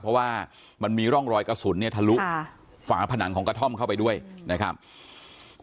เพราะว่ามันมีร่องรอยกระสุนเนี่ยทะลุฝาผนังของกระท่อมเข้าไปด้วยนะครับ